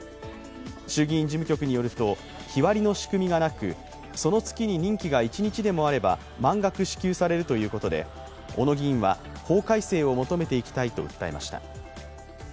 衆議院事務局によると日割りの仕組みがなくその月に任期が一日でもあれば満額支給されるということで小野議員は法改正を求めていきたいと訴えました。